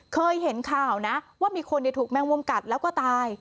เคยเห็นข่าวนะว่ามีคนถูกแมงมุมกัดแล้วก็ตาย